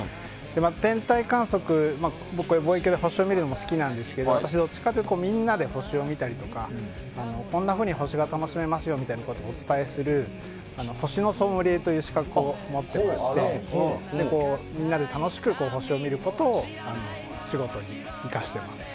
天体観測、望遠鏡で星を見るのも好きなんですが私、どっちかというとみんなで星を見たりとかこんなふうに星を楽しめますよとお伝えする星のソムリエという資格を持っていましてみんなで楽しく星を見ることを仕事に生かしています。